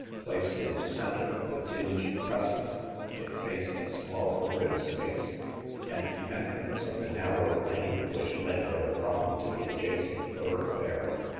Placed in the center of the dingy cres cent, it faced a small open space, and the entrance of the narrow lane which led therefrom to the adjacent thoroughfare.